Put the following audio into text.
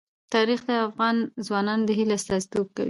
تاریخ د افغان ځوانانو د هیلو استازیتوب کوي.